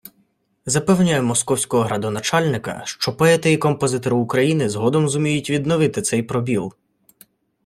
Запевняю московського градоначальника, що поети і композитори України згодом зуміють відновити цей пробіл